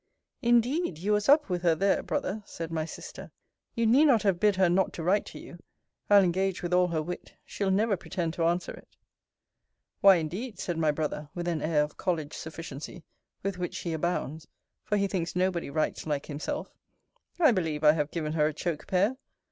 Indeed, you was up with her there, brother, said my sister. You need not have bid her not to write to you. I'll engage, with all her wit, she'll never pretend to answer it. Why, indeed, said my brother, with an air of college sufficiency, with which he abounds, (for he thinks nobody writes like himself,) I believe I have given her a choke pear.